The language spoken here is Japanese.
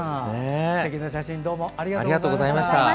すてきな写真、どうもありがとうございました。